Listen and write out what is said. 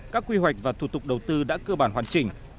các quy hoạch và thủ tục đầu tư đã cơ bản hoàn chỉnh